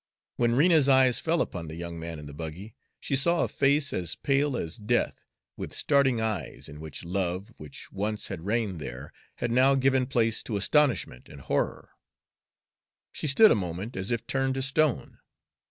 When Rena's eyes fell upon the young man in the buggy, she saw a face as pale as death, with starting eyes, in which love, which once had reigned there, had now given place to astonishment and horror. She stood a moment as if turned to stone.